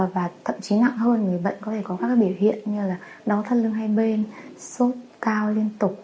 và thậm chí nặng hơn người bệnh có thể có các biểu hiện như là đau thắt lưng hai bên sốt cao liên tục